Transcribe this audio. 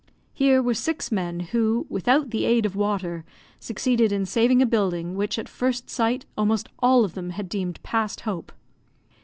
Here were six men, who, without the aid of water, succeeded in saving a building, which, at first sight, almost all of them had deemed past hope.